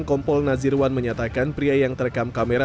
kompol nazirwan menyatakan pria yang terekam kamera